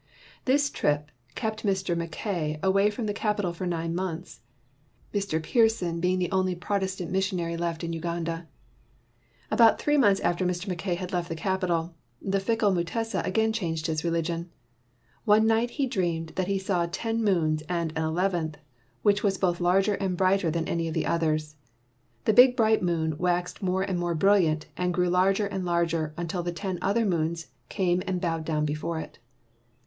This trip kept Mr. Mackay away from the capital for nine months, Mr. Pearson being the only Protest ant missionary left in Uganda. About three months after Mr. Mackay had left the capital, the fickle Mutesa again changed his religion. One night he dreamed that he saw ten moons and an eleventh which was both larger and brighter than any of the others. The big bright moon waxed more and more brilliant and grew larger and larger until the ten other moons came and bowed down before it.